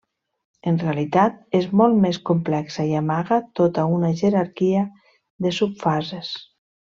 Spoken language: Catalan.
En realitat, és molt més complexa i amaga tota una jerarquia de subfases.